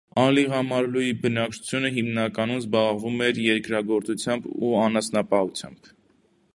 Ալիղամարլուի բնակչությունը հիմնականում զբաղվում էր երկրագործությամբ ու անասնապահությամբ։